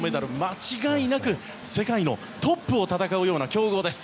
間違いなく世界のトップを戦うような強豪です。